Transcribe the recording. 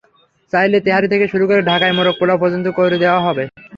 চাইলে তেহারি থেকে শুরু করে ঢাকাই মোরগ-পোলাও পর্যন্ত করে দেওয়া সম্ভব।